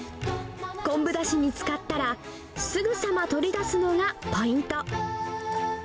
昆布だしに使ったらすぐさま取り出すのがポイント。